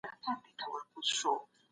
دغه فلسفه ټولنه پرمختللې کوي.